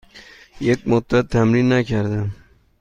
یک مدت تمرین نکردم.